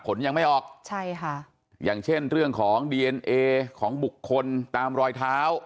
ผลยังไม่ออกใช่ค่ะอย่างเช่นเรื่องของดีเอนเอของบุคคลตามรอยเท้า